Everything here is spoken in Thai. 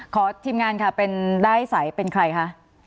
ขอทีมงานค่ะเป็นได้สายเป็นใครคะ